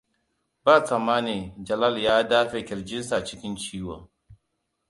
Ba tsammani, Jalal ya dafe ƙirjinsa cikin ciwo.